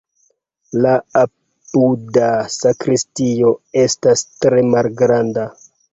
La apuda sakristio estas tre malgranda.